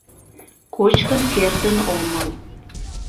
Кочкын кертын омыл.